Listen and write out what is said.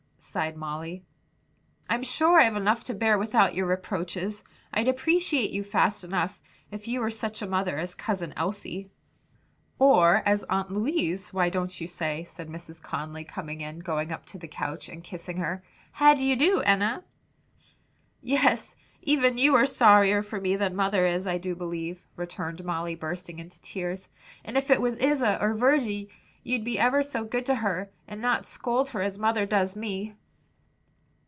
sighed Molly. "I'm sure I've enough to bear without your reproaches. I'd appreciate you fast enough, if you were such a mother as Cousin Elsie." "Or as Aunt Louise, why don't you say?" said Mrs. Conly, coming in, going up to the couch, and kissing her. "How d'ye do, Enna?" "Yes, even you are sorrier for me than mother is, I do believe!" returned Molly, bursting into tears; "and if it was Isa or Virgy you'd be ever so good to her, and not scold her as mother does me."